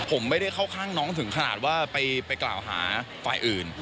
ผมไม่ได้เข้าข้างน้องถึงขนาดว่าไปกล่าวหาฝ่ายอื่น